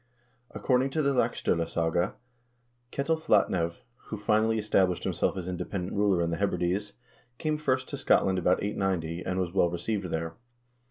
According to the "Laxd0lasaga," Ketil Flatnev, who finally established him self as independent ruler in the Hebrides, came first to Scotland about 890, and was well received there.